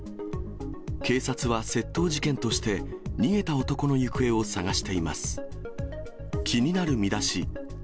警察は、窃盗事件として、逃げた男の行方を捜しています。